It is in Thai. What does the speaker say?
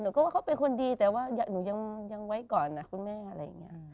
ว่าเขาเป็นคนดีแต่ว่าหนูยังไว้ก่อนนะคุณแม่อะไรอย่างนี้